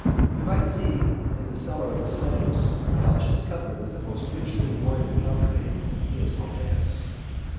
You might see in the cellars of the slaves, couches covered with the most richly embroidered counterpanes of Cnaeus Pompeius.